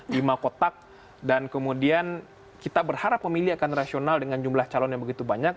lima kotak dan kemudian kita berharap pemilih akan rasional dengan jumlah calon yang begitu banyak